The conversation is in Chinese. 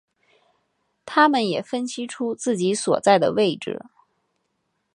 他们也分析出自己所在的位置。